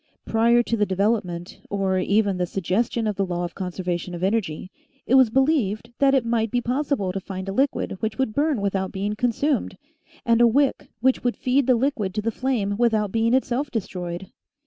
Prior to the development, or even the sugges tion of the law of the conservation of energy, it was believed that it might be possible to find a liquid which would burn without being consumed, and a wick which would feed the PERPETUAL OR EVER BURNING LAMPS 103 liquid to the flame without being itself destroyed.